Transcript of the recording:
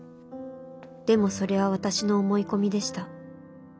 でもそれは私の思い込みでした。